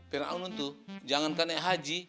fir'aun itu jangankan yang haji